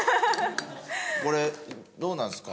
これどうなんですか？